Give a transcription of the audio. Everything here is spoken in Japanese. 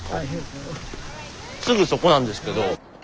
すぐそこなんですけど。